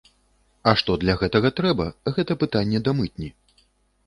А што для гэтага трэба, гэта пытанне да мытні.